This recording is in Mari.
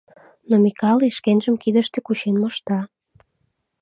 Но Микале шкенжым кидыште кучен мошта.